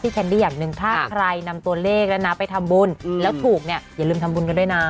แคนดี้อย่างหนึ่งถ้าใครนำตัวเลขแล้วนะไปทำบุญแล้วถูกเนี่ยอย่าลืมทำบุญกันด้วยนะ